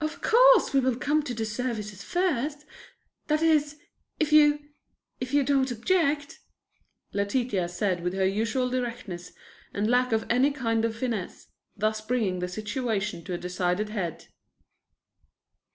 "Of course we will come to the services first that is, if you if you don't object," Letitia said with her usual directness and lack of any kind of finesse, thus bringing the situation to a decided head.